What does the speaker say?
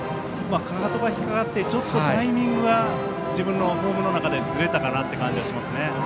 かかとが引っかかってタイミングが自分の頭の中でずれたかなという感じがしますね。